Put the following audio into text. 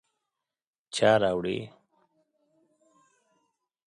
_چا راوړې ؟